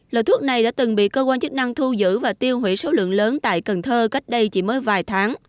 loại thuốc này đã từng bị cơ quan chức năng thu giữ và tiêu hủy số lượng lớn tại cần thơ cách đây chỉ mới vài tháng